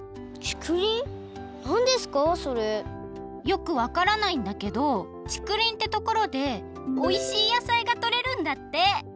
よくわからないんだけどちくりんってところでおいしい野菜がとれるんだって。